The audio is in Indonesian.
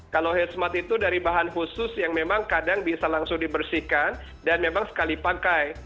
kalau head smart itu dari bahan khusus yang memang kadang bisa langsung dibersihkan dan memang sekali pakai